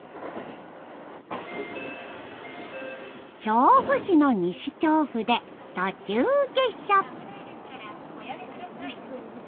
調布市の西調布で途中下車。